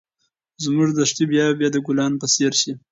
زموږ دښتې به بیا د ګلانو په څېر شي.